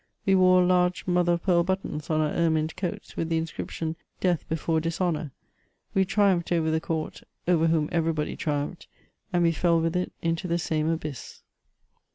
We wore large mother of pearl buttons on our ermined coats, with the inscription, —" Death before dishonour," We triumphed over the court, over whom every body triumphed, and we fell with it into the same abyss.